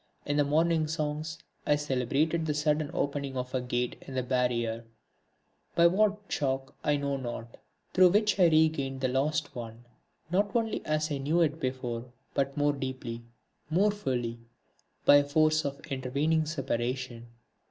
In the Morning Songs I celebrated the sudden opening of a gate in the barrier, by what shock I know not, through which I regained the lost one, not only as I knew it before, but more deeply, more fully, by force of the intervening separation.